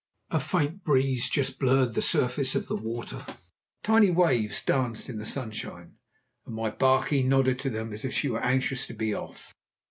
A faint breeze just blurred the surface of the water, tiny waves danced in the sunshine, and my barkie nodded to them as if she were anxious to be off.